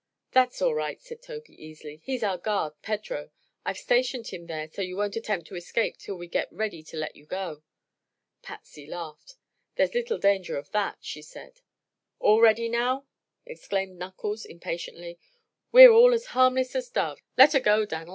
"That's all right," said Tobey, easily. "He's our guard, Pedro. I've stationed him there so you won't attempt to escape till we get ready to let you go." Patsy laughed. "There's little danger of that," she said. "All ready, now!" exclaimed Knuckles, impatiently. "We're all as harmless as doves. Let 'er go, Dan'l!"